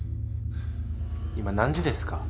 今何時ですか？